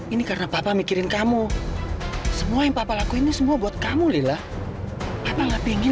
ini karena papa mikirin kamu semua yang papa laku ini semua buat kamu lila karena pingin